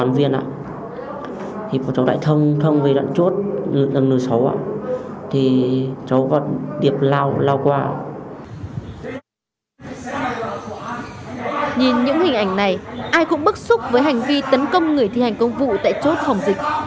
nhìn những hình ảnh này ai cũng bức xúc với hành vi tấn công người thi hành công vụ tại chốt phòng dịch